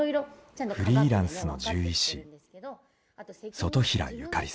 フリーランスの獣医師外平友佳理さん。